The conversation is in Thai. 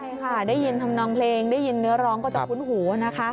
ใช่ค่ะได้ยินทำนองเพลงได้ยินเนื้อร้องก็จะคุ้นหูนะคะ